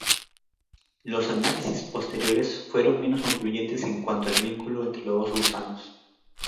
Los análisis posteriores fueron menos concluyentes en cuanto al vínculo entre los dos gusanos.